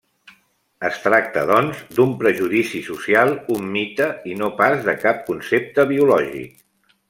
Es tracta, doncs, d'un prejudici social, un mite, i no pas de cap concepte biològic.